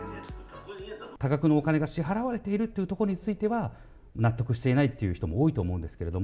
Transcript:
多額のお金が支払われているというところについては、納得していないという人も多いと思うんですけれども。